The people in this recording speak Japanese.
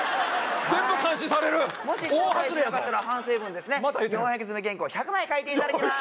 全部監視される大ハズレやぞもし招待しなかったら反省文です４００字詰め原稿１００枚書いていただきます